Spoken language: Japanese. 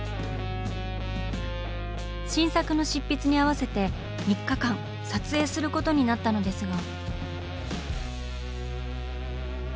新作の執筆に合わせて３日間撮影することになったのですが。